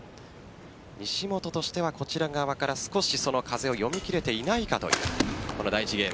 西本としてはこちら側から少し風を読み切れていないかという第１ゲーム。